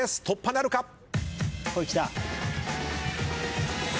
突破なるか？